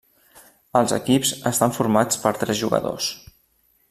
Els equips estan formats per tres jugadors.